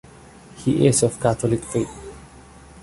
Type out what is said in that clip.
He is of Catholic faith.